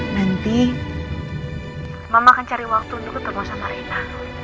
nanti mama akan cari waktu untuk ketemu sama rina